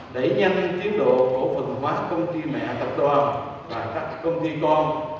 để nhanh tiến độ cổ phần hóa công ty mẹ tập đoàn tại các công ty con